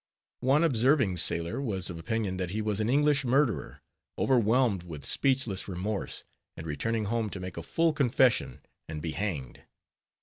One observing sailor was of opinion that he was an English murderer, overwhelmed with speechless remorse, and returning home to make a full confession and be hanged.